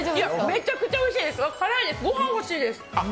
めちゃくちゃおいしいです、辛いです、ご飯が欲しいです。